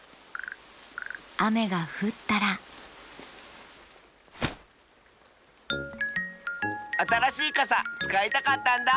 あめがふったらあたらしいかさつかいたかったんだ！